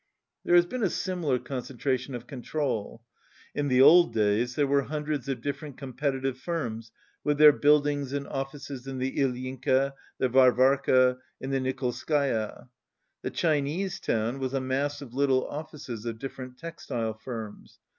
There has been a similar concentration of con trol. In the old days there were hundreds of different competitive firms with their buildings and offices in the Ilyinka, the Varvarka, and the Ni kolskaya.^ The Chinese town ^ was a mass of little offices of different textile firms.